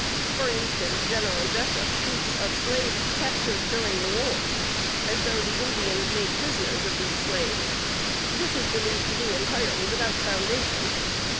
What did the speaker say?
For instance, General Jessup speaks of slaves "captured during the war," as though the Indians made prisoners of slaves. This is believed to be entirely without foundation.